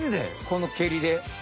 この蹴りで？